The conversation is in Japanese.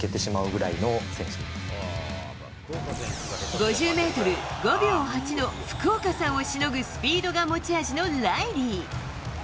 ５０ｍ５秒８の福岡さんをしのぐスピードが持ち味のライリー。